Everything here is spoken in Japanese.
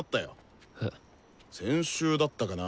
先週だったかな？